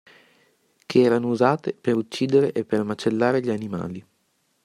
Che erano usate per uccidere e per macellare gli animali.